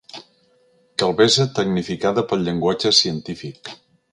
Calbesa tecnificada pel llenguatge científic.